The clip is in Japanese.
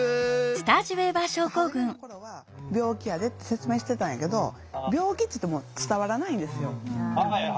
初めの頃は病気やでって説明してたんやけど病気って言っても伝わらないんですよ。